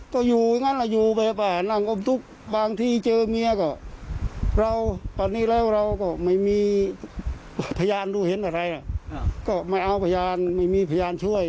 ก็อยู่อย่างนั้นอยู่ไปแปลงบางที่เจอเมียก็เราตอนนี้แล้วเราก็ไม่มีพยานดูเห็นอะไรก็ไม่เอาพยานไม่มีพยานช่วย